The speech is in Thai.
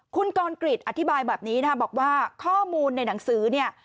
คุณกรกริจอธิบายแบบนี้นะบอกว่าข้อมูลในหนังสือเนี่ย